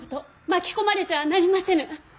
巻き込まれてはなりませぬ。